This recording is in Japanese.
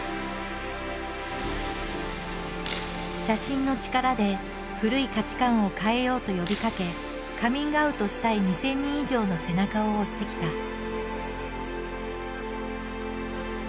写真の力で古い価値観を変えようと呼びかけカミングアウトしたい２，０００人以上の背中を押してきた。